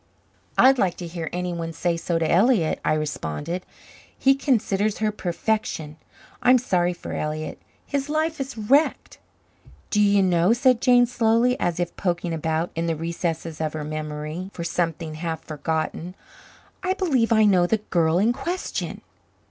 "I'd like to hear anyone say so to Elliott," I responded. "He considers her perfection. I'm sorry for Elliott. His life is wrecked." "Do you know," said Jane slowly, as if poking about in the recesses of her memory for something half forgotten. "I believe I know the the girl in question."